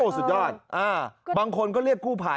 สุดยอดบางคนก็เรียกกู้ภัย